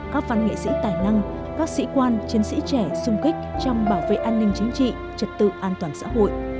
các văn nghệ sĩ tài năng các sĩ quan chiến sĩ trẻ sung kích trong bảo vệ an ninh chính trị trật tự an toàn xã hội